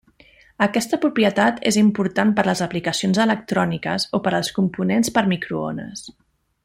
Aquesta propietat és important per a les aplicacions electròniques o per als components per microones.